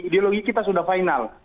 ideologi kita sudah final